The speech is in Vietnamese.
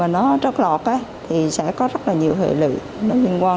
nó trót lọt thì sẽ có rất nhiều hệ lực liên quan